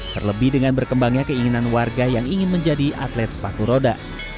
terlebih dengan berkembangnya keinginan warga yang ingin menjadi atlet sepatu roda